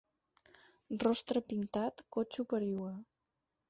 Rostre pintat, cotxe per llogar.